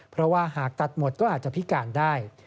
เพราะว่าหากตัดหมดก็อาจจะพิการได้